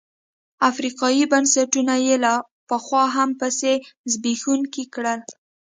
افریقايي بنسټونه یې له پخوا هم پسې زبېښونکي کړل.